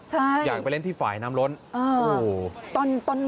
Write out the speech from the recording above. ใช่อยากไปเล่นที่ฝ่ายน้ำล้น